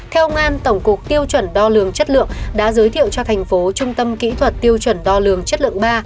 theo ông an tổng cục tiêu chuẩn đo lường chất lượng đã giới thiệu cho tp hcm tiêu chuẩn đo lường chất lượng ba